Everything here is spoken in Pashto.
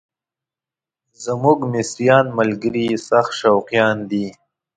زموږ مصریان ملګري یې سخت شوقیان دي.